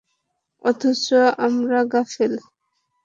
অথচ আমরা গাফেল।